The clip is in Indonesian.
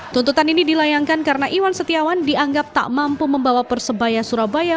tuntutan ini dilayangkan karena iwan setiawan dianggap tak mampu membawa persebaya surabaya